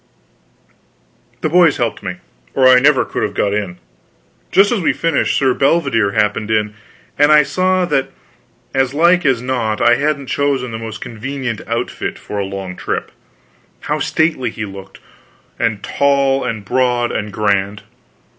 The boys helped me, or I never could have got in. Just as we finished, Sir Bedivere happened in, and I saw that as like as not I hadn't chosen the most convenient outfit for a long trip. How stately he looked; and tall and broad and grand.